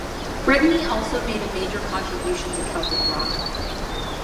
Brittany also made a major contribution to Celtic rock.